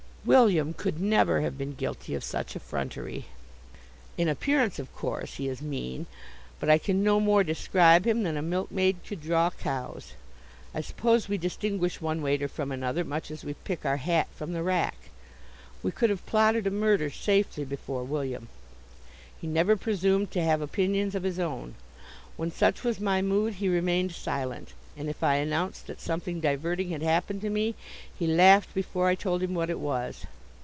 William could never have been guilty of such effrontery. In appearance, of course, he is mean, but I can no more describe him than a milkmaid could draw cows. I suppose we distinguish one waiter from another much as we pick our hat from the rack. We could have plotted a murder safely before William. He never presumed to have opinions of his own. When such was my mood he remained silent, and if I announced that something diverting had happened to me he laughed before I told him what it was.